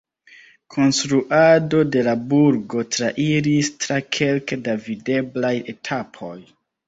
Konstruado de la burgo trairis tra kelke da videblaj etapoj.